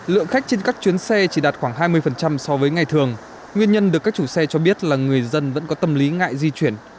lượng khách trên các chuyến xe chỉ đạt khoảng hai mươi so với ngày thường nguyên nhân được các chủ xe cho biết là người dân vẫn có tâm lý ngại di chuyển